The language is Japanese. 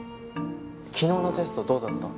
昨日のテストどうだった？